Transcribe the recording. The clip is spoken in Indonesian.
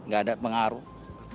gak ada pengaruh